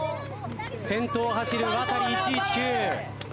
先頭を走るワタリ１１９。